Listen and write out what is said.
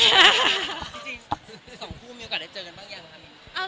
จริงสองคู่มีโอกาสได้เจอกันบางอย่างหรือครับ